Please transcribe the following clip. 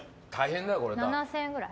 ７，０００円ぐらい？